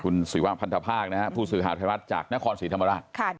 คุณสุยว่างพันธภาคผู้สืบหาธรรมัสจากนครสีธรรมดา